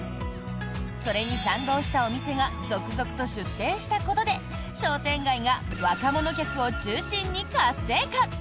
それに賛同したお店が続々と出店したことで商店街が若者客を中心に活性化！